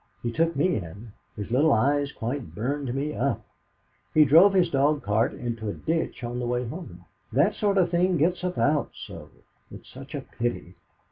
He took me in; his little eyes quite burned me up. He drove his dog cart into a ditch on the way home. That sort of thing gets about so. It's such a pity.